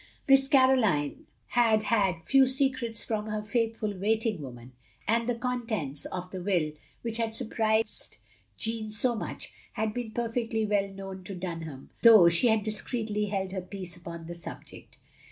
Miss Caroline had had few secrets from her faithftil waiting woman, and the contents of the will, which had stirprised Jeanne so much, had been perfectly well known to Dunham, though she had discreetly held her peace upon the subject.